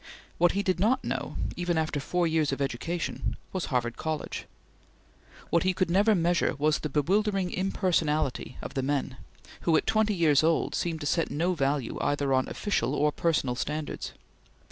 What he did not know, even after four years of education, was Harvard College. What he could never measure was the bewildering impersonality of the men, who, at twenty years old, seemed to set no value either on official or personal standards.